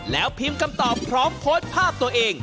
แล้วพิมพ์คำตอบพร้อมโพสต์ภาพตัวเอง